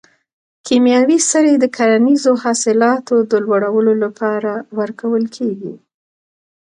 کیمیاوي سرې د کرنیزو حاصلاتو د لوړولو لپاره ورکول کیږي.